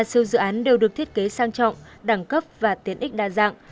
ba siêu dự án đều được thiết kế sang trọng đẳng cấp và tiện ích đa dạng